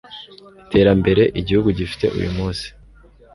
iterambere igihugu gifite uyu munsi.